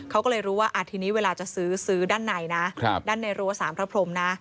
เขาก็เลยรู้ว่าทีนี้เวลาจะซื้อซื้อด้านในนะด้านในรั้วสารพระพรมนะ